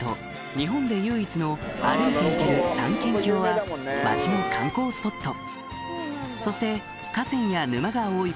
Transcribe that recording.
日本で唯一の歩いて行ける三県境は町の観光スポット